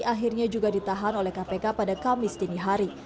akhirnya juga ditahan oleh kpk pada kamis dinihari